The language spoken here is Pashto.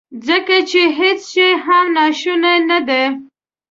ځکه چې هیڅ شی هم ناشونی ندی.